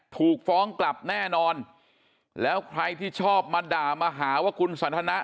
ถูกฟ้องกลับแน่นอนแล้วใครที่ชอบมาด่ามาหาว่าคุณสันทนะ